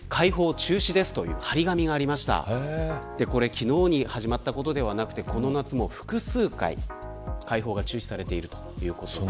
昨日に始まったことではなくてこの夏の複数回開放が中止されているということです。